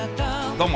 どうも。